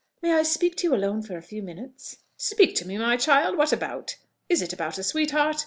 may I speak to you alone for a few minutes?" "Speak to me, child? what about? Is it about a sweet heart?